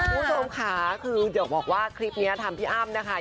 คุณผู้ชมค่ะคือเดี๋ยวบอกว่าคลิปนี้ทำพี่อ้ำนะคะ